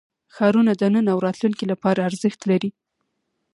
ښارونه د نن او راتلونکي لپاره ارزښت لري.